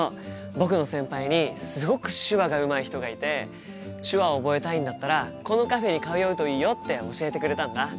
僕の先輩にすごく手話がうまい人がいて手話を覚えたいんだったらこのカフェに通うといいよって教えてくれたんだ。